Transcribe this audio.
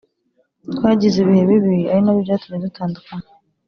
twagize ibihe bibi ari nabyo byatumye dutandukana”